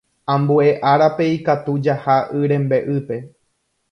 Ambue árape ikatu jaha yrembe'ýpe.